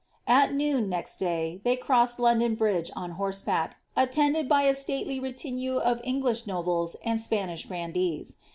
At noon, next day, they crossed London Bridge on horseback, attended by a stalely retinue of English nobles and Spanish grandees.